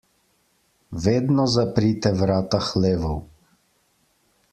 Vedno zaprite vrata hlevov.